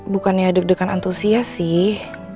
bukannya deg degan antusias sih